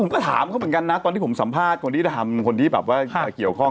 มันจะแอปไหนลูปนี้ไม่ได้แอปไหน